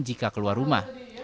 jika keluar rumah